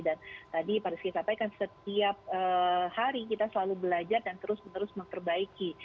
dan tadi pada sekitar saya kan setiap hari kita selalu belajar dan terus terus memperbaiki